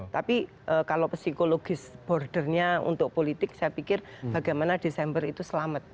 tapi kalau psikologis bordernya untuk politik saya pikir bagaimana desember itu selamat